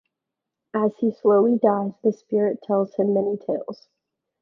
As he slowly dies, the spirit tells him many tales.